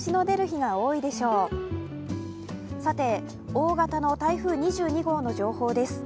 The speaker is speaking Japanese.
大型の台風２２号の情報です。